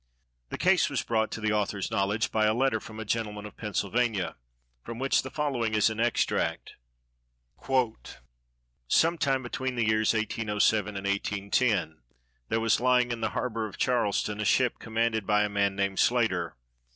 The case was brought to the author's knowledge by a letter from a gentleman of Pennsylvania, from which the following is an extract: Some time between the years 1807 and 1810, there was lying in the harbor of Charleston a ship commanded by a man named Slater.